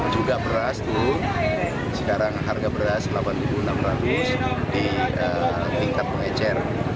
juga beras itu sekarang harga beras rp delapan enam ratus di tingkat pengecer